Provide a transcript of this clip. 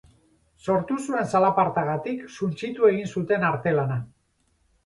Sortu zuen zalapartagatik suntsitu egin zuten artelana.